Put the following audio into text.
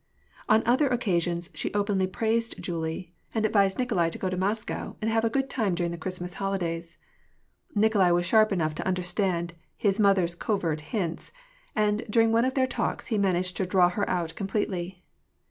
On other occasions, she openly praised Julie, and advised Nikolai to go to Moscow and have a good time during the WAR AND PS ACE. 281 Christmas holidays. Nikolai was sharp enough to understand his mother's covert hints ; and, during one of their talks, he managed to draw her out completely.